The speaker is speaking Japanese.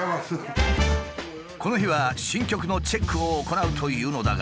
この日は新曲のチェックを行うというのだが